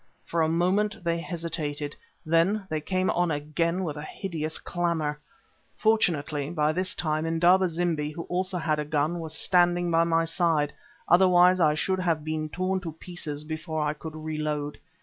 For a moment they hesitated, then they came on again with a hideous clamour. Fortunately by this time Indaba zimbi, who also had a gun, was standing by my side, otherwise I should have been torn to pieces before I could re load.